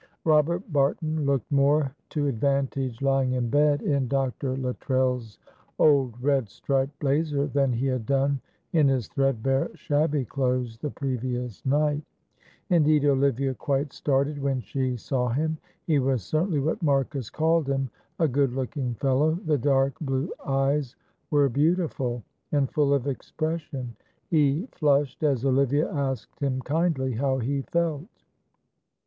Robert Barton looked more to advantage lying in bed in Dr. Luttrell's old red striped blazer than he had done in his threadbare shabby clothes the previous night; indeed, Olivia quite started when she saw him; he was certainly what Marcus called him, a good looking fellow, the dark blue eyes were beautiful and full of expression; he flushed as Olivia asked him kindly how he felt.